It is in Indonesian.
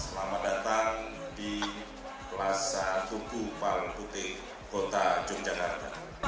selamat datang di plaza tuku palbutik kota yogyakarta